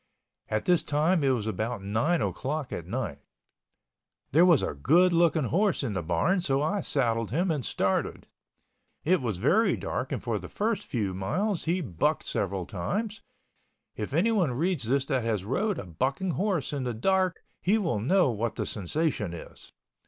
At this time it was about nine o'clock at night. There was a good looking horse in the barn, so I saddled him and started. It was very dark and for the first few miles he bucked several times (if anyone reads this that has rode a bucking horse in the dark he will know what the sensation is).